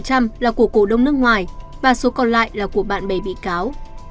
các cổ phần đông nước ngoài và số còn lại là của bạn bè bị cáo